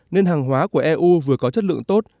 nên hàng hóa của eu vừa có chất lượng tốt